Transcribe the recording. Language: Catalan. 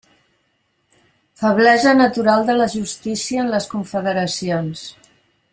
Feblesa natural de la justícia en les confederacions.